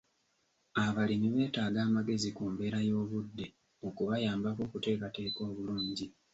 Abalimi beetaaga amagezi ku mbeera y'obudde okubayambako okuteekateeka obulungi